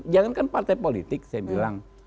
jangankan partai politik saya bilang